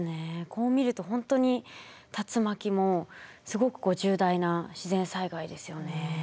こう見ると本当に竜巻もすごく重大な自然災害ですよね。